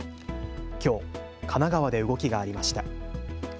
きょう神奈川で動きがありました。